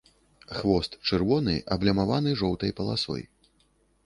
Хвост чырвоны, аблямаваны жоўтай паласой.